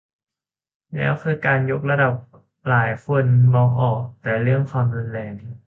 แล้วคือการยกระดับหลายคนมองออกแต่เรื่องความรุนแรง